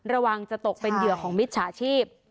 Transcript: ระวังจะตกเป็นเหยื่อของมิจฉาชีพ